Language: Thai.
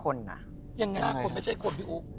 ยังไง๕คนไม่ใช่คนพี่อุ๊ก